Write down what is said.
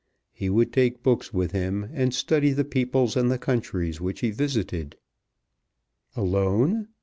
He would take books with him, and study the peoples and the countries which he visited. "Alone?"